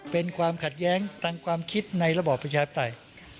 เป็นความขัดแย้งทางความคิดในระบอบประชาธิปไตย